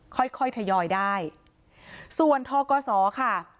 ค่อยค่อยทยอยได้ส่วนทกศค่ะ